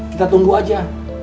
kita tunggu aja